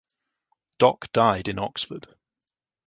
Dock died in Oxford.